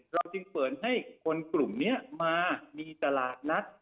เราจึงเปิดให้คนกลุ่มนี้มามีตลาดนัด